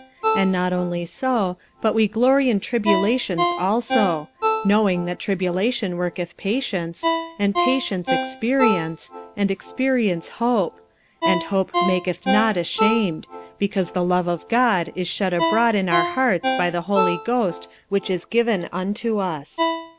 45:005:003 And not only so, but we glory in tribulations also: knowing that tribulation worketh patience; 45:005:004 And patience, experience; and experience, hope: 45:005:005 And hope maketh not ashamed; because the love of God is shed abroad in our hearts by the Holy Ghost which is given unto us.